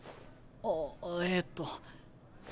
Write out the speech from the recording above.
ああえっと。